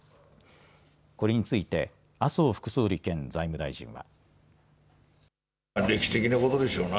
これについて麻生副総理兼財務大臣は。